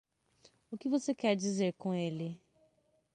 O que você quer dizer com ele?